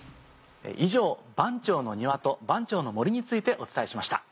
以上番町の庭と番町の森についてお伝えしました。